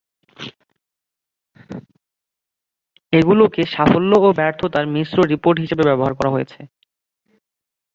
এগুলোকে সাফল্য ও ব্যর্থতার মিশ্র রিপোর্ট হিসেবে ব্যবহার করা হয়েছে।